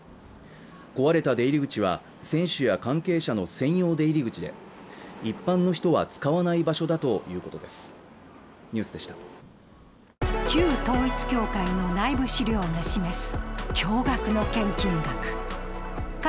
壊れた出入口は選手や関係者の専用出入り口で一般の人は使わない場所だということです